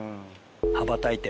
羽ばたいて。